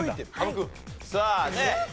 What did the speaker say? さあね